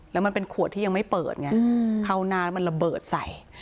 และมันเป็นขวดที่ยังไม่เปิดเข้านานมันระเบิดใส่